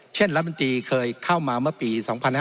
เช่นรัฐมนตรีเคยเข้ามาเมื่อปี๒๕๕๙